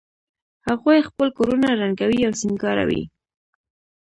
هغوی خپل کورونه رنګوي او سینګاروي